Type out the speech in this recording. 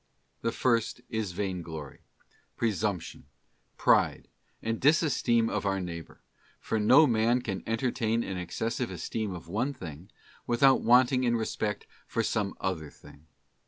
The first is vain glory, presumption, pride, and disesteem of our neighbour; for no man can entertain an excessive esteem of one thing without wanting in respect for some other thing.